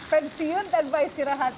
pensiun tanpa istirahat